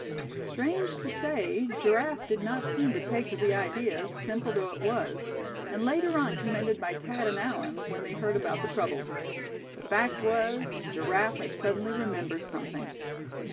Strange to say, Giraffe did not seem to take to the idea, simple though it was; and later on commended by Thad and Allan, when they heard about the trouble. The fact was, Giraffe had suddenly remembered something.